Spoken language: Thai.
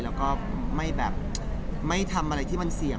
แล้วก็ไม่ทำอะไรที่มันเสี่ยง